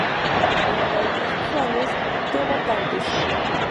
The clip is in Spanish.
donde hay más usuarios que votantes